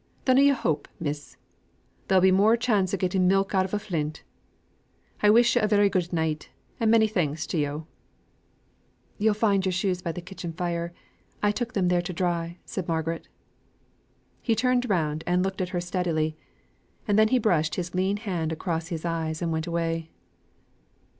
Dunna yo' hope, miss. There'll be more chance o' getting milk out of a flint. I wish yo' a very good night, and many thanks to yo'." "You'll find your shoes by the kitchen fire; I took them there to dry," said Margaret. He turned round and looked at her steadily, and then he brushed his lean hand across his eyes and went his way.